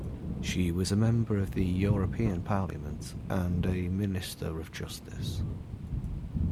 She was a member of the European Parliament and a Minister of Justice.